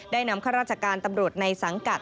ได้นำข้าราชการตำรวจในสังกัด